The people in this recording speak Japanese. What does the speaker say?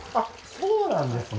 そうなんですね。